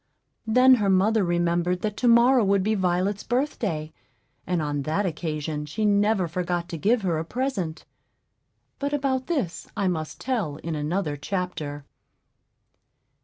Then her mother remembered that to morrow would be Violet's birthday, and on that occasion she never forgot to give her a present. But about this I must tell in another chapter.